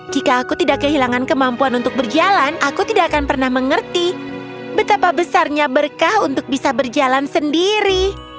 jika aku tidak kehilangan kemampuan untuk berjalan aku tidak akan pernah mengerti betapa besarnya berkah untuk bisa berjalan sendiri